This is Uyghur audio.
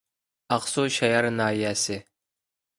ئاقسۇ شايار ناھىيەسى